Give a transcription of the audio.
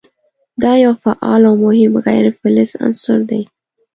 دا یو فعال او مهم غیر فلز عنصر دی.